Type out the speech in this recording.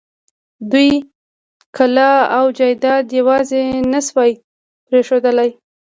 دوی کلا او جايداد يواځې نه شوی پرېښودلای.